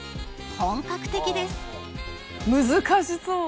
本格的です